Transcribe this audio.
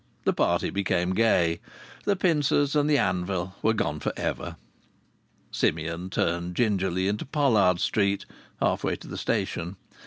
The party became gay. The pincers and the anvil were gone for ever. Simeon turned gingerly into Pollard Street half way to the station.